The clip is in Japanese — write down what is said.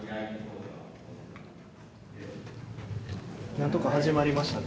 なんとか始まりましたね。